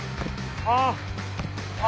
ああ。